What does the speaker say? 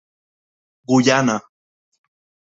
Guyana.